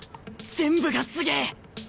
全部がすげえ。